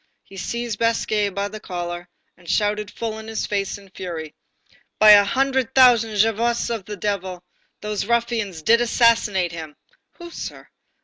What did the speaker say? He seized Basque by the collar, and shouted full in his face in fury:—"By the hundred thousand Javottes of the devil, those ruffians did assassinate him!" "Who, sir?"